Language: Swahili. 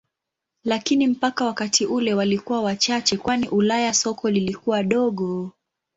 Lakini mpaka wakati ule walikuwa wachache kwani Ulaya soko lilikuwa dogo.